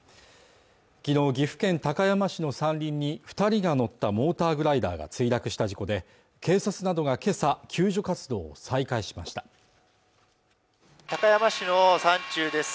昨日岐阜県高山市の山林に二人が乗ったモーターグライダーが墜落した事故で警察などがけさ救助活動を再開しました高山市の山中です